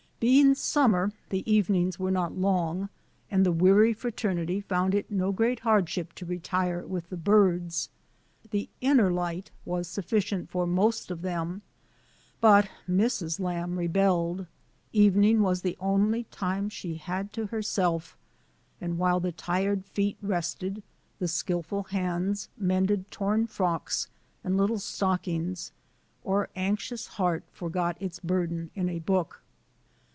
Being summer, the evenings were not long, and the weary frater nity found it no great hardship to retire with the birds. The inner light was sufficient for most of them. But Mrs. Lamb rebelled. Evening was » the only time she had to herself, and while the tired feet rested the skilful hands mended torn frocks and little stockings, or anxious heart for got its burden in a book.